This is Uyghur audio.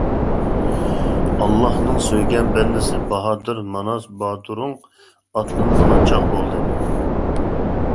ئاللانىڭ سۆيگەن بەندىسى، باھادىر ماناس باتۇرۇڭ، ئاتلىنىدىغان چاغ بولدى.